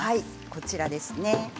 こちらですね。